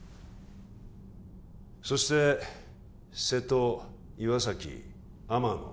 そして瀬戸岩崎天野